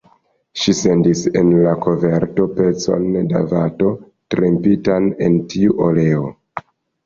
Ŝi sendis en la koverto peceton da vato trempitan en tiu oleo.